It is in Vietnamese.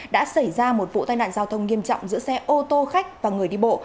đã xảy ra một vụ tai nạn giao thông nghiêm trọng giữa xe ô tô khách và người đi bộ